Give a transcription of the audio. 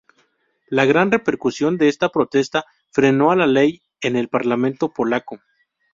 La gran repercusión de esta protesta frenó la ley en el parlamento polaco.